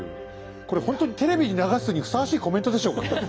これほんとにテレビに流すにふさわしいコメントでしょうか。